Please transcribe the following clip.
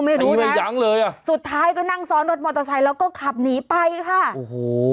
ไม่รู้นะสุดท้ายก็นั่งซ้อนรถมอเตอร์ไซค์แล้วก็ขับหนีไปค่ะโอ้โฮ